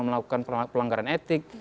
melakukan pelanggaran etik